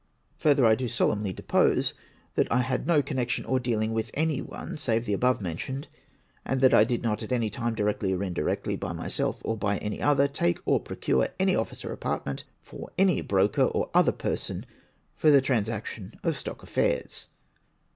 Further, 1 do solemnly depose, that I had no connection or dealing mth any one, save the above mentioned, and that I did not at any time, directly or indirectly, by myself or by any other, take or procure any office or apartment for any broker or other person for the transaction of stock affairs.